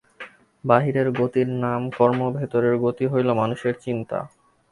বাহিরের গতির নাম কর্ম, ভিতরের গতি হইল মানুষের চিন্তা।